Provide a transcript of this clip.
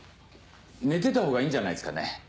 寝てたほうがいいんじゃないっすかね？